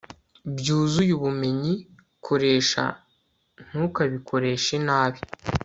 byuzuye ubumenyi .. koresha, ntukabikoreshe nabi